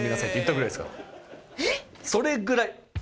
それぐらい。